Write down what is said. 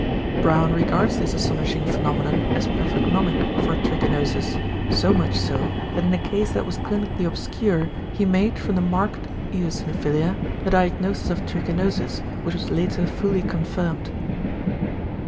Brown regards this astonishing phenomenon as pathognomic for trichinosis, so much so, that in a case that was clinically obscure, he made, from the marked eosinophilia, the diagnosis of trichinosis which was later fully confirmed.